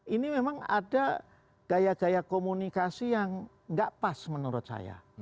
ini memang ada gaya gaya komunikasi yang nggak pas menurut saya